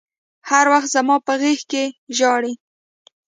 هر وخت زما په غېږ کښې ژاړي.